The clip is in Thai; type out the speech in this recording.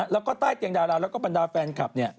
แล้วก็ใต้เตียงดาราแล้วก็บรรดาแฟนคลับเนี่ย